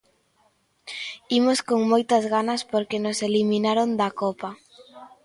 Imos con moitas ganas porque nos eliminaron da Copa.